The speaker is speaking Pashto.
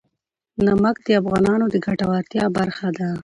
نمک د افغانانو د ګټورتیا برخه ده.